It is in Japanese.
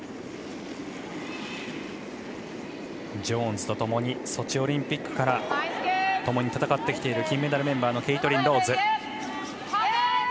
ジョーンズとソチオリンピックからともに戦ってきている金メダルメンバーのケイトリン・ローズ。